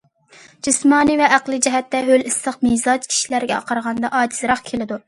جىسمانىي ۋە ئەقلى جەھەتتە ھۆل ئىسسىق مىزاج كىشىلەرگە قارىغاندا ئاجىزراق كېلىدۇ.